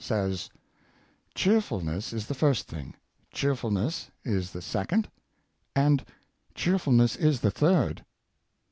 says: "Cheerfulness is the first thing, cheer fulness is the second, and cheerfulness is the third."